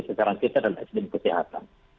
secara kita adalah esmen kesehatan